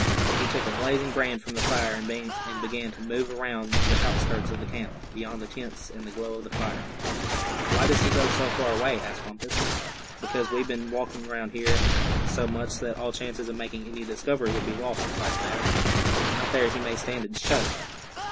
He took a blazing brand from the fire, and began to move around the outskirts of the camp, beyond the tents and the glow of the fire. "Why does he go so far away?" asked Bumpus. "Because we've been walking around here so much that all chance of making any discovery would be lost," replied Thad; "and out there he may stand a show.